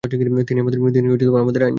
তিনি আমাদের আইনজীবী।